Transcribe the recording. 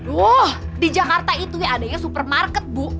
wah di jakarta itu ya adanya supermarket bu